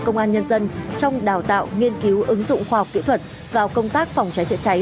công an nhân dân trong đào tạo nghiên cứu ứng dụng khoa học kỹ thuật vào công tác phòng cháy chữa cháy